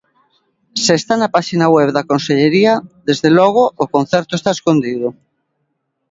Se está na páxina web da Consellería, desde logo, o concerto está escondido.